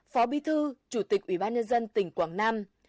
phó bi thư chủ tịch ủy ban nhân dân tỉnh quảng nam